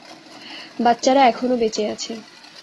বাচ্চারা এখনও বেঁচে আছে।